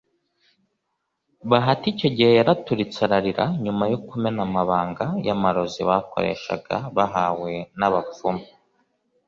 Bahati icyo gihe yaraturitse ararira nyuma yo kumena amabanga y'amarozi bakoreshaga bahawe n'abapfumu